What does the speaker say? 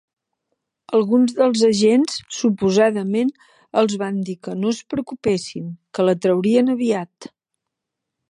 Alguns dels agents, suposadament, els van dir que no es preocupessin, que la traurien aviat.